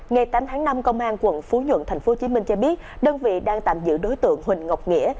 ngày tám tháng năm công an quận phú nhuận tp hcm cho biết đơn vị đang tạm giữ đối tượng huỳnh ngọc nghĩa